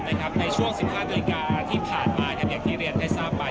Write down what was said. ในช่วง๑๕นาฬิกาที่ผ่านมายังที่เรียนถ่ายซาดไป